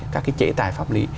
các cái chế tài pháp lý